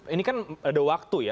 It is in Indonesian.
ini kan ada waktu ya